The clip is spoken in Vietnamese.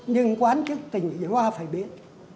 nhưng quán chức tỉnh hòa phải biết